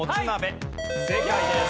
正解です。